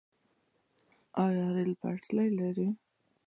آیا د ریل پټلۍ لرو؟